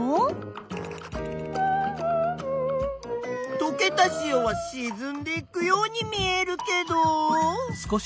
とけた塩はしずんでいくように見えるけど？